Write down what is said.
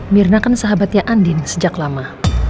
mirna kan sahabatnya andin sejak lama